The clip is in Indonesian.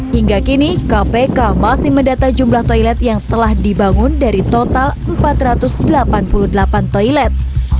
hingga kini kpk masih mendata jumlah toilet yang telah dibangun dari total empat ratus delapan puluh delapan toilet